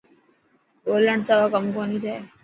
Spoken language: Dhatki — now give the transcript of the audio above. ٻولڻ سوا ڪم ڪوني ٿي.